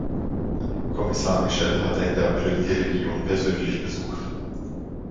Kommissar Michel hat Ende April die Region persönlich besucht.